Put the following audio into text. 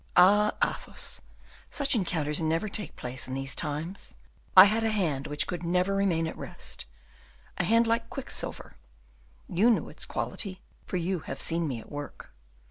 Ah, Athos, such encounters never take place in these times! I had a hand which could never remain at rest, a hand like quicksilver, you knew its quality, for you have seen me at work.